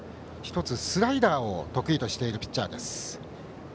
１つ、スライダーを得意としているピッチャーです。